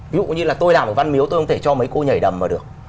ví dụ như là tôi làm ở văn miếu tôi không thể cho mấy cô nhảy đầm mà được